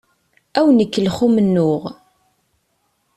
Ad awen-ikellex umennuɣ.